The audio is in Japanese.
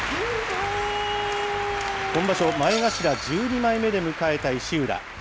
今場所、前頭１２枚目で迎えた石浦。